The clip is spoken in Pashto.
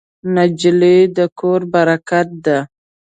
نجلۍ د کور برکت ده.